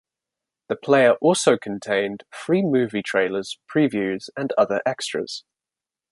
The player also contained free movie trailers, previews, and other extras.